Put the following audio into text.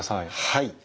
はい。